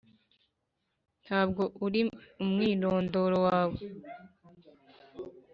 ntabwo uri umwirondoro wawe,